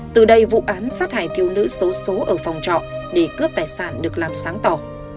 từ đây vụ án sát hại thiêu nữ xấu xố ở phòng trọ để cướp tài sản được làm sáng tỏ